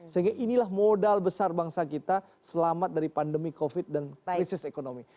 sehingga inilah modal besar bangsa kita selamat dari pandemi covid dan krisis ekonomi